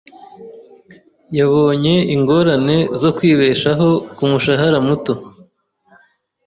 Yabonye ingorane zo kwibeshaho ku mushahara muto.